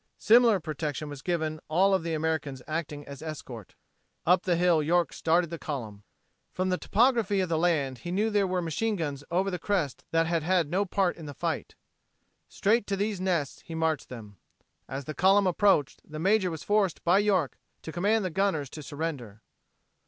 Similar protection was given all of the Americans acting as escort. Up the hill York started the column. From the topography of the land he knew there were machine guns over the crest that had had no part in the fight. Straight to these nests he marched them. As the column approached, the major was forced by York to command the gunners to surrender.